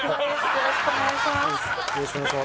よろしくお願いします。